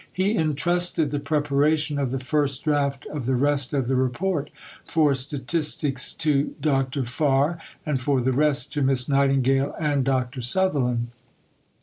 He entrusted the preparation of the first draft of the rest of the Report, for statistics to Dr. Farr, and for the rest to Miss Nightingale and Dr. Sutherland.